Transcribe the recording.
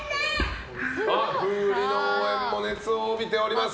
風李の応援も熱を帯びております